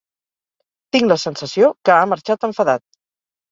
Tinc la sensació que ha marxat enfadat.